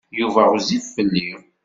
Yuba ɣezzif fell-i.